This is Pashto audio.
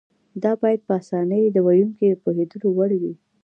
دا باید په اسانۍ د ویونکي د پوهېدو وړ وي.